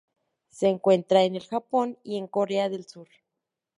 Se encuentra en el Japón y en Corea del Sur.